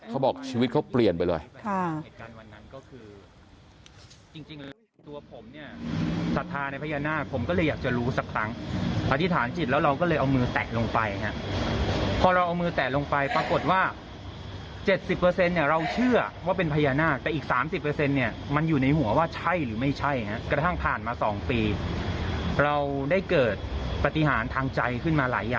เขาบอกชีวิตเขาเปลี่ยนไปเลย